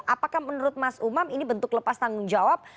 apakah menurut mas umam ini bentuk lepas tanggung jawab